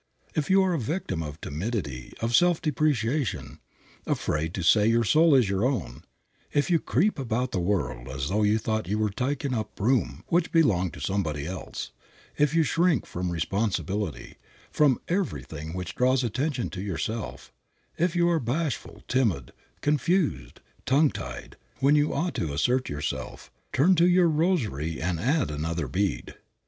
If you are a victim of timidity and self depreciation, afraid to say your soul is your own; if you creep about the world as though you thought you were taking up room which belonged to somebody else; if you shrink from responsibility, from everything which draws attention to yourself; if you are bashful, timid, confused, tongue tied, when you ought to assert yourself, turn to your rosary and add another bead.